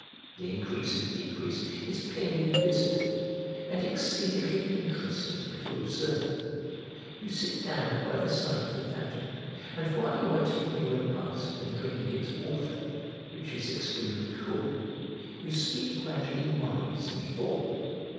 The increase and decrease is plainly visible, and exceedingly interesting to observe. You sit down by the side of the fountain, and while you are taking a repast and drinking its water, which is extremely cool, you see it gradually rise and fall.